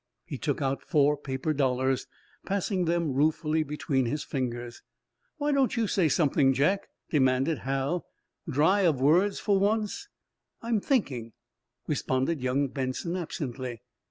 He took out four paper dollars, passing them ruefully between his fingers. "Why don't you say something, Jack?" demanded Hal. "Dry of words, for once?" "I'm thinking," responded young Benson, absently.